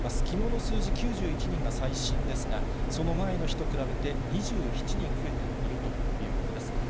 きのうの数字、９１人が最新ですが、その前の日と比べて２７人増えているということです。